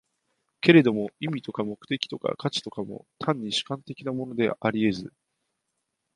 けれども意味とか目的とか価値とかも、単に主観的なものであり得ず、